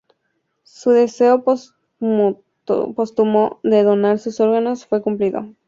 Su deseo póstumo de donar sus órganos fue cumplido.